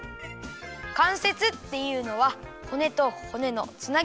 かんせつっていうのは骨と骨のつなぎめなんだ！